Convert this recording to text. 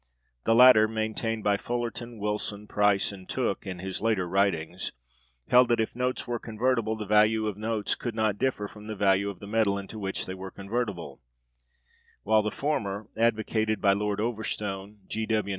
The latter, maintained by Fullerton, Wilson, Price, and Tooke (in his later writings), held that, if notes were convertible, the value of notes could not differ from the value of the metal into which they were convertible; while the former, advocated by Lord Overstone, G. W.